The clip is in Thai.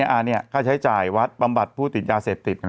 อันนี้ค่าใช้จ่ายวัดบำบัดผู้ติดยาเสพติด